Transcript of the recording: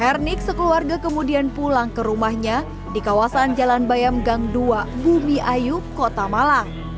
hernik sekeluarga kemudian pulang ke rumahnya di kawasan jalan bayam gang dua bumi ayu kota malang